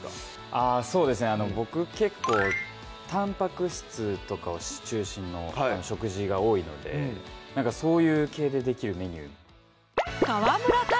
あぁそうですねボク結構たんぱく質とか中心の食事が多いのでなんかそういう系でできるメニュー川村壱